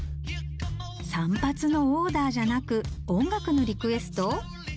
散髪のオーダーじゃなく音楽のリクエスト？